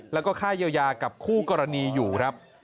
แล้วก็ค่าเยียวยากับคู่กรณีอยู่ครับ